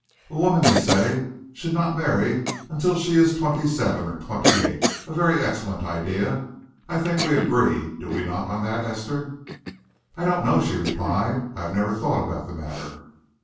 A woman, they say, should not marry until she is twenty seven or twenty eight a very excellent idea. I think we agree, do we not, on that, Esther?" "I don't know," she replied. "I have never thought about the matter."